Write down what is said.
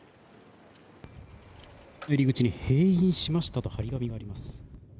入り口に「閉院しました」と貼り紙があります。